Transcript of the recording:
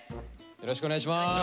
よろしくお願いします。